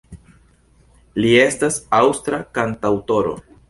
Li estas aŭstra kantaŭtoro.